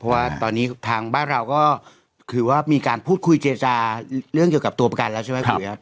เพราะว่าตอนนี้ทางบ้านเราก็คือว่ามีการพูดคุยเจรจาเรื่องเกี่ยวกับตัวประกันแล้วใช่ไหมคุณครับ